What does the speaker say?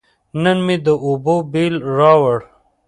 نن مې د اوبو بیل راووړ.